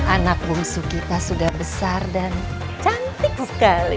anak bung su kita sudah besar dan cantik sekali